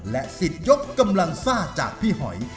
สิทธิ์ยกกำลังซ่าจากพี่หอย